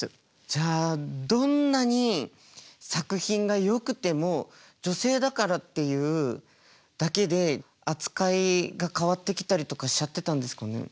じゃあどんなに作品がよくても女性だからっていうだけで扱いが変わってきたりとかしちゃってたんですかね。